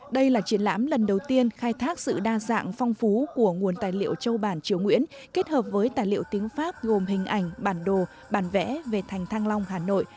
đây là triển lãm lần đầu tiên khai thác sự đa dạng phong phú của nguồn tài liệu châu bản triều nguyễn kết hợp với tài liệu tiếng pháp gồm hình ảnh bản đồ bản vẽ về thành thăng long hà nội